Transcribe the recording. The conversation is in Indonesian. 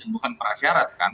bukan prasyarat kan